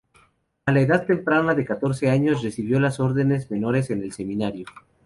A la edad temprana de catorce años recibió las órdenes menores en el seminario.